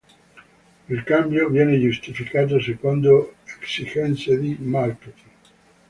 Il cambio viene giustificato secondo esigenze di marketing.